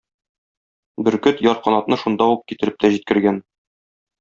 Бөркет ярканатны шунда ук китереп тә җиткергән.